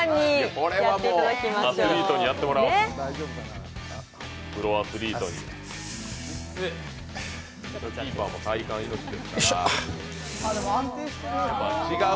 これはもうプロアスリートにやってもらおう。